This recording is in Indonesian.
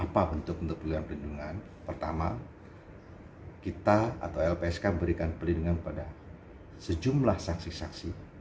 pertama kita atau lpsk memberikan perlindungan pada sejumlah saksi saksi